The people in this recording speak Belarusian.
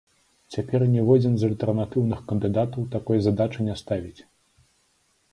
Цяпер ніводзін з альтэрнатыўных кандыдатаў такой задачы не ставіць.